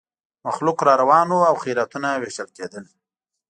مخلوق را روان وو او خیراتونه وېشل کېدل.